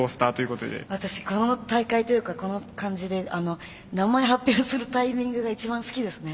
私この大会というかこの感じで名前発表するタイミングが一番好きですね